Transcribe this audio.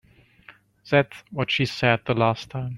That's what she said the last time.